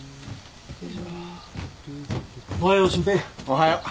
おはよう。